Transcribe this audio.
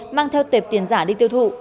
mang theo tệp tiền giả đi tiêu thụ